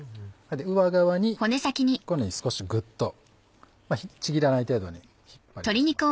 上側にこのように少しグッとちぎらない程度に引っ張り出します。